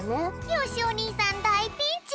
よしお兄さんだいピンチ！